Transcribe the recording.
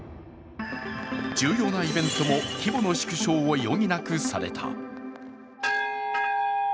重要なイベントも規模の縮小を余儀なくされた。